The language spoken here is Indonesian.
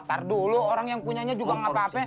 ntar dulu orang yang punyanya juga gak apa apa